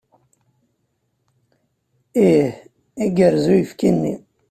Ih, igerrez uyefki-nni.